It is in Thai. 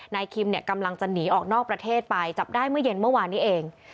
นายคิมเนี่ยกำลังจะหนีออกนอกประเทศไปจับได้เมื่อเย็นเมื่อวานนี้เอง